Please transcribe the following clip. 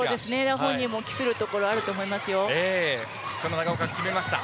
本人も期するところあると思いますよ。